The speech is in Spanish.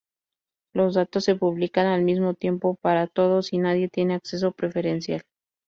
Los datos se publican al mismo tiempo para todos y nadie tiene acceso preferencial.